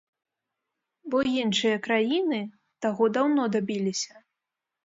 Бо іншыя краіны таго даўно дабіліся.